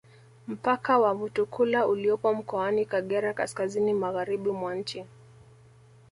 Mpaka wa Mutukula uliopo mkoani Kagera kaskazini magharibi mwa nchi